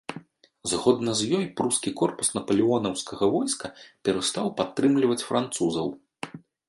Згодна з ёй прускі корпус напалеонаўскага войска перастаў падтрымліваць французаў.